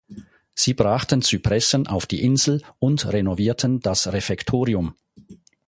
Sie brachten Zypressen auf die Insel und renovierten das Refektorium.